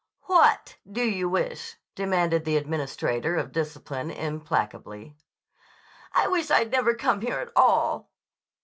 "What do you wish?" demanded the administrator of discipline implacably. "I wish I'd never come here at all."